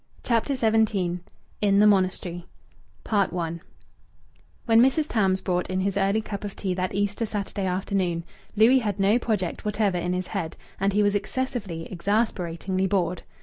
CHAPTER XVII IN THE MONASTERY I When Mrs. Tams brought in his early cup of tea that Easter Saturday afternoon, Louis had no project whatever in his head, and he was excessively, exasperatingly bored.